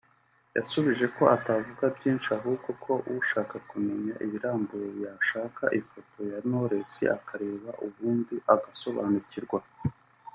yasubije ko atavuga byinshi ahubwo ko ushaka kumenya ibirambuye yashaka ifoto ya Knowless akareba ubundi agasobanukirwa